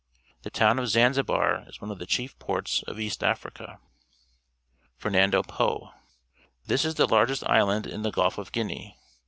The towTi of Zanzibar is one of the cliief ports of East Africa. Fernando Po. — This is the largest island in the Gulf of Guinea.